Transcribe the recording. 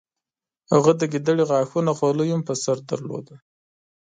هغه د ګیدړې غاښونو خولۍ هم په سر درلوده.